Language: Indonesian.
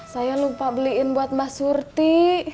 saya lupa beliin buat mbak surti